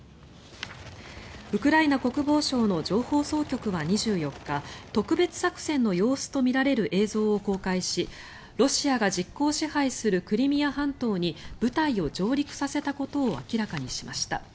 ウクライナ国防省の情報総局は２４日特別作戦の様子と見られる映像を公開しロシアが実効支配するクリミア半島に部隊を上陸させたことを明らかにしました。